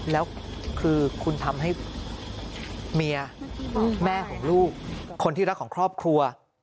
แล้วคือคุณทำให้เมียแม่ของลูกคนที่รักของครอบครัว